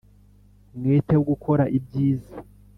Umwete wo gukora ibyiza